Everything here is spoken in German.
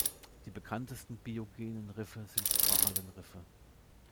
Die bekanntesten biogenen Riffe sind Korallenriffe.